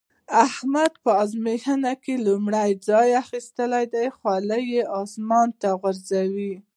احمد په ازموينه کې لومړی ځای اخيستی دی؛ خولۍ يې اسمان ته وغورځوله.